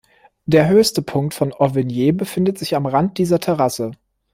Der höchste Punkt von Auvernier befindet sich mit am Rand dieser Terrasse.